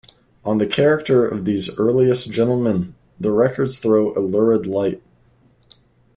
On the character of these earliest gentlemen the records throw a lurid light.